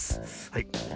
はい。